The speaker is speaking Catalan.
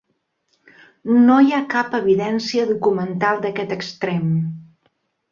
No hi ha cap evidència documental d'aquest extrem.